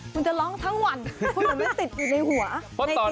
มันจะร้องทั้งวันเพราะว่ามันติดอยู่ในหัวในจินปั้มสมอง